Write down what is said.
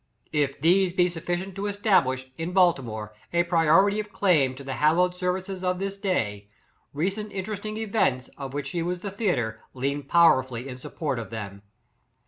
— If these be sufficientto establish, in Baltimore, a priority of claim to the hal lowed services of this day; recent interest ing events, of which she was the theatre, lean powerfully in support of them.